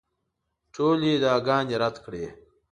ټولې ادعاګانې رد کړې.